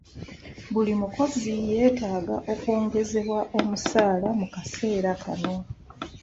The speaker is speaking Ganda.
Buli mukozi yeetaaga okwongezebwa omusaala mu kaseera akamu.